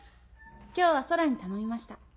今日は空に頼みました。